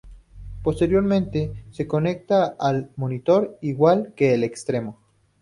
Posteriormente se conecta al monitor, igual que el externo.